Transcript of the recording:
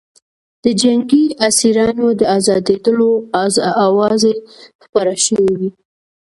د جنګي اسیرانو د ازادېدلو اوازې خپرې شوې وې